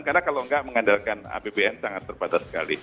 karena kalau enggak mengandalkan apbn sangat terbatas sekali